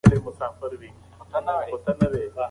آیا تاسو د کوانټم کمپیوټرونو د خورا لوړ سرعت په اړه څه اورېدلي؟